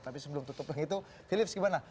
tapi sebelum kita tutup itu filips bagaimana